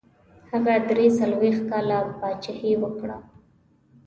هغه دري څلوېښت کاله پاچهي وکړه.